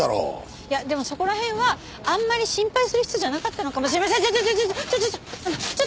いやでもそこら辺はあんまり心配する人じゃなかったのかもしれませんちょっちょっちょっちょっ！